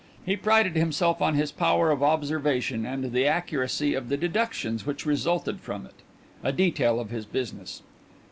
He prided himself on his power of observation and the accuracy of the deductions which resulted from it a detail of his business.